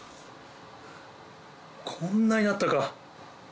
こんなになったか。